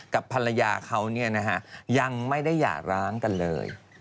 กับภรรยาเขาเนี่ยนะฮะยังไม่ได้หยาดร้านกันเลย